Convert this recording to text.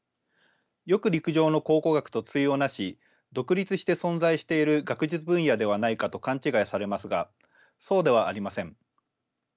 よく陸上の考古学と対をなし独立して存在している学術分野ではないかと勘違いされますがそうではありません。